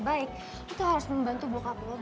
baik itu harus membantu bokap lo